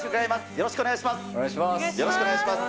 よろしくお願いします。